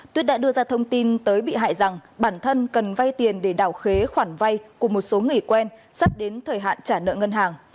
tuyết đã đưa ra thông tin tới bị hại rằng bản thân cần vay tiền để đảo khế khoản vay của một số nghỉ quen sắp đến thời hạn trả nợ ngân hàng